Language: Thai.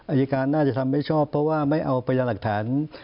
อายการน่าจะทำไม่ชอบเพราะว่าไม่เอาพยานหลักฐาน